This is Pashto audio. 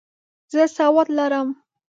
زه سواد لرم.